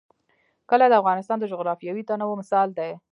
کلي د افغانستان د جغرافیوي تنوع مثال دی.